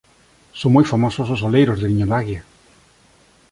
Son moi famosos os oleiros de Niñodaguia.